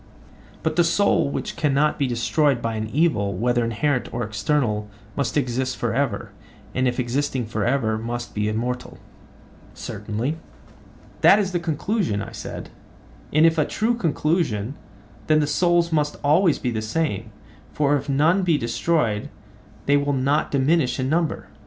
But the soul which cannot be destroyed by an evil, whether inherent or external, must exist for ever, and if existing for ever, must be immortal? Certainly. That is the conclusion, I said; and, if a true conclusion, then the souls must always be the same, for if none be destroyed they will not diminish in number.